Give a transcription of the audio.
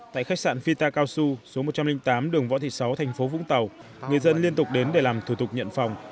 tại khách sạn fita cao su số một trăm linh tám đường võ thị sáu thành phố vũng tàu người dân liên tục đến để làm thủ tục nhận phòng